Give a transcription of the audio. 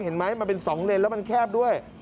เห็นไหมมันเป็น๒เลนแล้วมันแคบด้วย